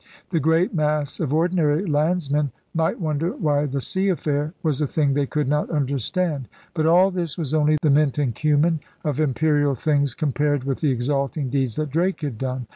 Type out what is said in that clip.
The great mass of ordinary landsmen might wonder why the * sea affair' was a thing they could not understand. But all this was only the mint and cummin of imperial things compared with the exalting deeds that Drake had done.